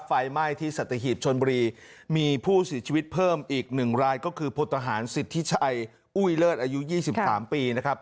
ไฟไหม้ที่สัตหีบชนบุรีมีผู้เสียชีวิตเพิ่มอีกหนึ่งรายก็คือพลทหารสิทธิชัยอุ้ยเลิศอายุ๒๓ปีนะครับ